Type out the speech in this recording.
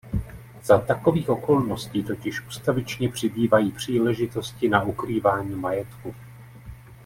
Za takových okolností totiž ustavičně přibývají příležitosti na ukrývání majetku.